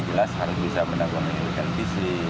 jelas harus bisa menanggung yang ada di ltc